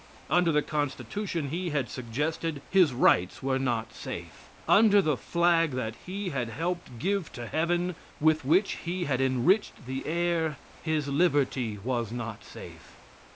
Under the Constitution he had suggested, his rights were not safe; under the flag that he had helped give to heaven, with which he had enriched the air, his liberty was not safe.